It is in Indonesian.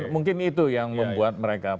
mungkin itu yang membuat mereka